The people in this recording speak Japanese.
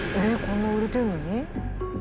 こんな売れてるのに？